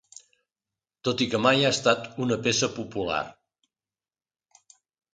Tot i que mai ha estat una peça popular.